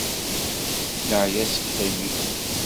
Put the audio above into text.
Neεya seg yiɣimi.